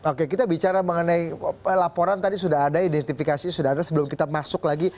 oke kita bicara mengenai laporan tadi sudah ada identifikasi sudah ada sebelum kita masuk lagi